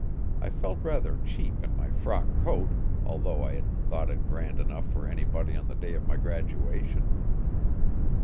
I felt rather cheap in my frock coat, although I had thought it grand enough for anybody on the day of my graduation.